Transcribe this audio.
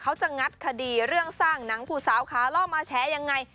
งัดคดีเรื่องสร้างหนังผู้สาวขาล่อมาแชร์ยังไง